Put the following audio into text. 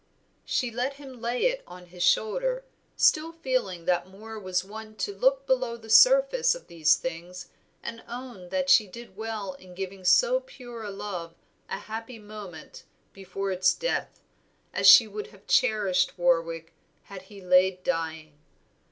She let him lay it on his shoulder, still feeling that Moor was one to look below the surface of these things and own that she did well in giving so pure a love a happy moment before its death, as she would have cherished Warwick had he laid dying.